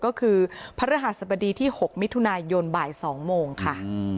ก็คือพระรหัสบดีที่๖มิถุนายนบ่าย๒โมงค่ะ